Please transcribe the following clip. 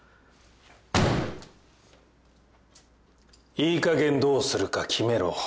いいかげんどうするか決めろ。